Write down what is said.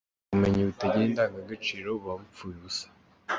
Ubumenyi butagira indangagaciro buba bupfuye ubusa.